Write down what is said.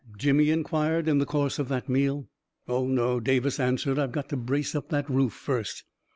" Jimmy inquired, in the course of that meal. "Oh, no," Davis answered; "I've got to brace up that roof first."